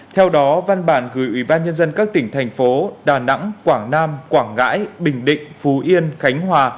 theo đó văn bản gửi ủy ban nhân dân các tỉnh thành phố đà nẵng quảng nam quảng ngãi bình định phú yên khánh hòa